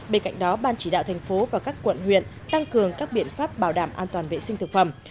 bên cạnh đó ban chỉ đạo thành phố và các quận huyện tăng cường các biện pháp bảo đảm an toàn vệ sinh thực phẩm